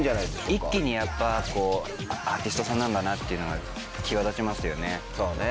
一気にやっぱアーティストさんなんだなっていうのが際立ちますよね。